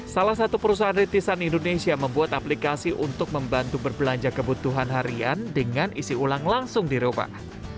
salah satu perusahaan retisan indonesia membuat aplikasi untuk membantu berbelanja kebutuhan harian dengan isi ulang langsung di rumah